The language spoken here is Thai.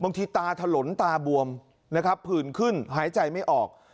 ตาถลนตาบวมนะครับผื่นขึ้นหายใจไม่ออก